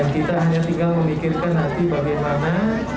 kita hanya tinggal memikirkan nanti bagaimana